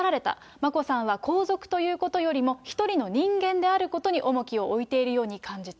眞子さんは皇族ということよりも、一人の人間であることに重きを置いているように感じた。